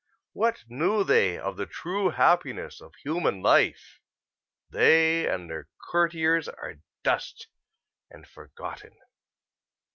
What knew they of the true happiness of human life? They and their courtiers are dust and forgotten.